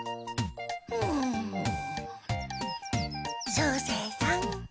照星さん。